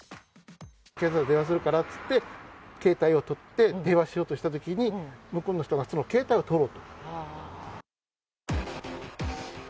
警察に電話するからっていって、携帯を取って電話しようとしたときに、向こうの人が、私の携帯を取ろうとした。